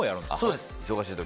そうです。